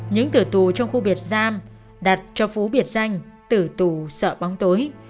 những cửa tù trong khu biệt giam đặt cho phú biệt danh tử tù sợ bóng tối